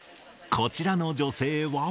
こちらの女性は。